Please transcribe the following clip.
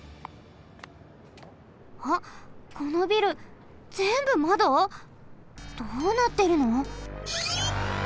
あっこのビルぜんぶまど！？どうなってるの？